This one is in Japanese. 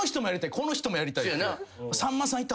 この人もやりたいって。